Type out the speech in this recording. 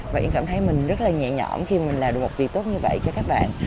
và em cảm thấy mình rất là nhẹ nhõm khi mình làm được một việc tốt như vậy cho các bạn